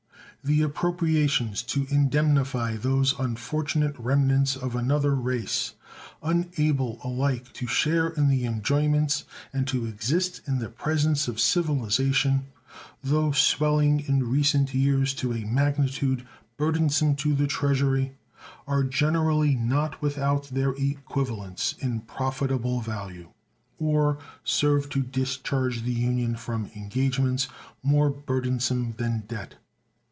The appropriations to indemnify those unfortunate remnants of another race unable alike to share in the enjoyments and to exist in the presence of civilization, though swelling in recent years to a magnitude burdensome to the Treasury, are generally not without their equivalents in profitable value, or serve to discharge the Union from engagements more burdensome than debt.